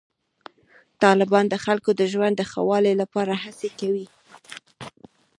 طالبان د خلکو د ژوند د ښه والي لپاره هڅې کوي.